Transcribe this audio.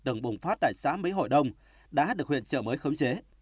từng bùng phát tại xã mỹ hội đông đã được huyện trợ mới khống chế